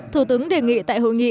thủ tướng đề nghị tại hội nghị